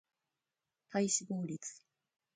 体脂肪率